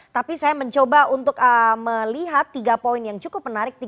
tapi saya mencoba untuk melihat tiga poin yang cukup menarik